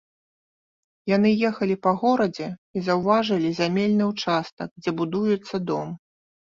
Яны ехалі па горадзе і заўважылі зямельны ўчастак, дзе будуецца дом.